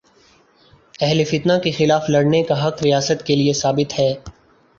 اہل فتنہ کے خلاف لڑنے کا حق ریاست کے لیے ثابت ہے۔